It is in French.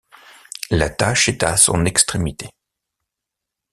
L'attache est à son extrémité.